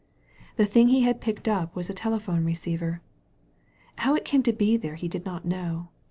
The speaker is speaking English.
The thing he had picked up was a telephone re ceiver. How it came to be there he did not know.